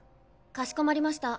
かしこまりました。